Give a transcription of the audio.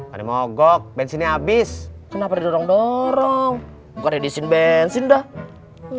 ada mogok bensinnya habis kenapa di dorong dorong gua redisiin bensin dah